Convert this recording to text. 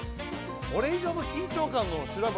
これ以上の緊張感の修羅場